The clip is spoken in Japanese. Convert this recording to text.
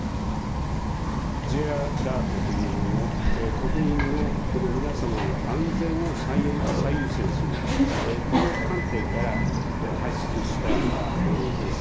Ｊアラートというもの、国民の皆様の安全を最優先する、この観点から発出したものです。